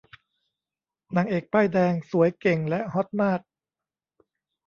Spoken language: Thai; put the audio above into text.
นางเอกป้ายแดง สวย เก่ง และฮอตมาก